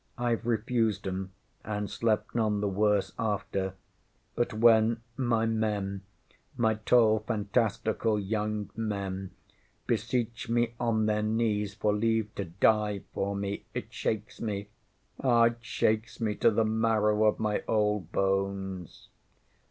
IŌĆÖve refused ŌĆśem, and slept none the worse after; but when my men, my tall, fantastical young men, beseech me on their knees for leave to die for me, it shakes me ah, it shakes me to the marrow of my old bones.